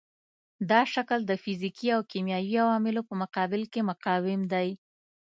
دا شکل د فزیکي او کیمیاوي عواملو په مقابل کې مقاوم دی.